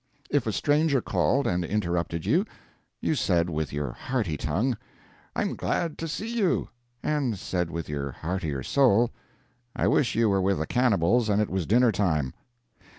If a stranger called and interrupted you, you said with your hearty tongue, "I'm glad to see you," and said with your heartier soul, "I wish you were with the cannibals and it was dinner time."